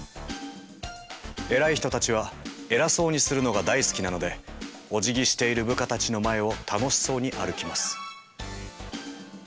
偉い人たちは偉そうにするのが大好きなのでおじぎしている部下たちの前を楽しそうに歩きます。